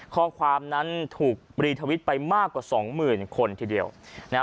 ข้อความนั้นถูกรีทวิตไปมากกว่าสองหมื่นคนทีเดียวนะฮะ